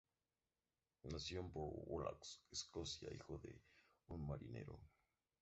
Nació en Port Glasgow, Escocia, hijo de un marinero.